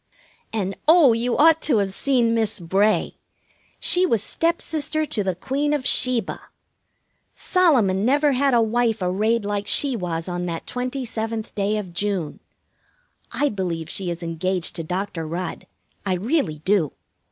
And, oh, you ought to have seen Miss Bray! She was stepsister to the Queen of Sheba. Solomon never had a wife arrayed like she was on that twenty seventh day of June. I believe she is engaged to Doctor Rudd. I really do.